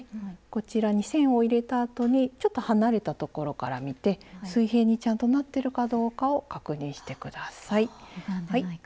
こちらに線を入れたあとにちょっと離れたところから見て水平にちゃんとなってるかどうかを確認して下さい。